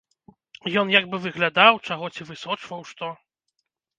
Ён як бы выглядаў чаго ці высочваў што.